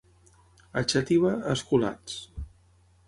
A Xàtiva, esculats.